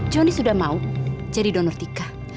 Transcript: johnny sudah mau jadi donor tika